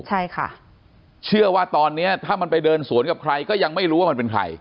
ใช่ค่ะเชื่อว่าตอนเนี้ยถ้ามันไปเดินสวนกับใครก็ยังไม่รู้ว่ามันเป็นใคร